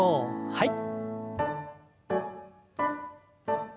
はい。